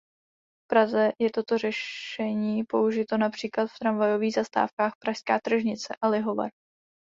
V Praze je toto řešení použito například v tramvajových zastávkách Pražská tržnice a Lihovar.